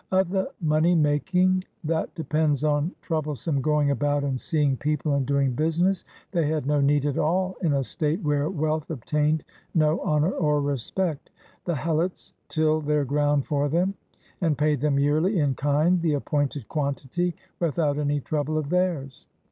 Of the money making that de pends on troublesome going about and seeing people and doing business, they had no need at all in a state where wealth obtained no honor or respect. The Helots tilled their ground for them, and paid them yearly in kind the appointed quantity, without any trouble of theirs.